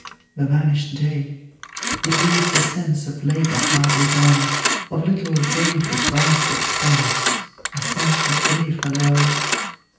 "The vanished day? It leaves a sense Of labour hardly done; Of little gained with vast expense A sense of grief alone?